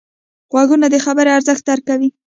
غوږونه د خبرې ارزښت درک کوي